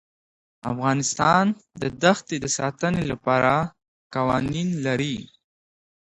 افغانستان د دښتې د ساتنې لپاره قوانین لري.